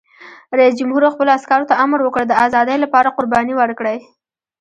رئیس جمهور خپلو عسکرو ته امر وکړ؛ د ازادۍ لپاره قرباني ورکړئ!